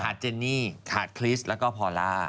ขาดเจนี่ขาดคลิสต์แล้วก็พอลล่า